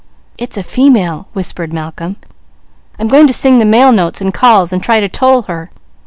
"It's a female," whispered Malcolm. "I'm going to sing the male notes and calls, and try to toll her.